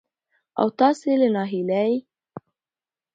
او تاسې له ناهيلۍ